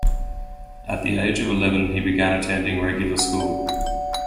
At the age of eleven, he began attending regular school.